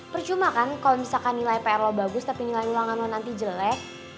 percuma kan kalau misalkan nilai pr lo bagus tapi nilai ulangan lo nanti jelek